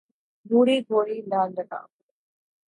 بوڑھی گھوڑی لال لگام